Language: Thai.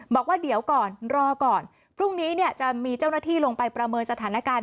บอกว่าเดี๋ยวก่อนรอก่อนพรุ่งนี้จะมีเจ้าหน้าที่ลงไปประเมินสถานการณ์